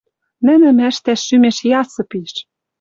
Нӹнӹм ӓштӓш шӱмеш ясы пиш.